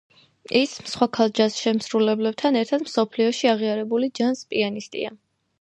ის სხვა ქალ ჯაზ შემსრულებლებთან ერთად მსოფლიოში აღიარებული ჯაზ პიანისტია.